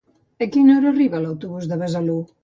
A quina hora arriba l'autobús de Besalú?